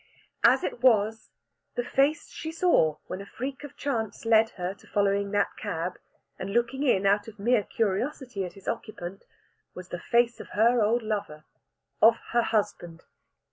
As it was, the face she saw when a freak of chance led to her following that cab, and looking in out of mere curiosity at its occupant, was the face of her old lover of her husband.